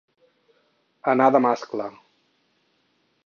Anar de mascle.